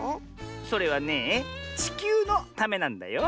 それはねえちきゅうのためなんだよ。